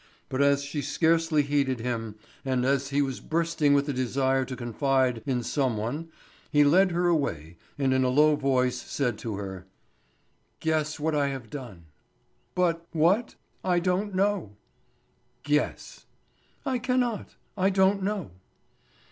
But as she scarcely heeded him, and as he was bursting with the desire to confide in some one, he led her away and in a low voice said to her: "Guess what I have done!" "But—what—I don't know." "Guess." "I cannot. I don't know."